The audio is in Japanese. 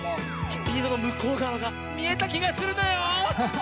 スピードのむこうがわがみえたきがするのよ！